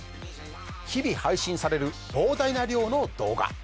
日々配信される膨大な量の動画。